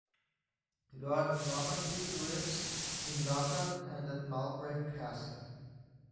Lord Normanby lives in London and at Mulgrave Castle.